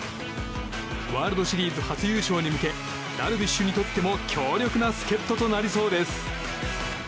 ワールドシリーズ初優勝に向けダルビッシュにとっても強力な助っ人となりそうです。